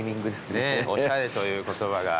ねぇ「おしゃれ」という言葉が。